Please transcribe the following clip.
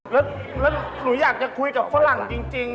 แล้วหนูอยากจะคุยกับฝรั่งจริง